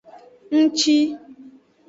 Ngci.